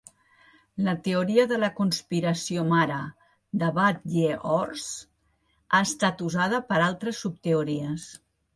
La teoria de la conspiració mare, de Bat Ye'or's, ha estat usada per a altres subteories.